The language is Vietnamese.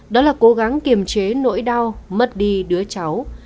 đó là cố gắng kiềm chế nỗi đau mất đi đứa cháu